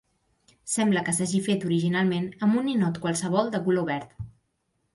Sembla que s"hagi fet originalment amb un ninot qualsevol de color verd.